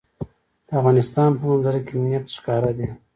د افغانستان په منظره کې نفت ښکاره دي.